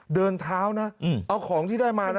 เดินเท้านะเอาของที่ได้มานะ